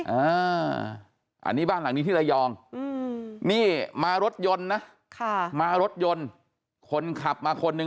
อันนี้บ้านหลังนี้ที่ระยองนี่มารถยนต์นะค่ะมารถยนต์คนขับมาคนนึง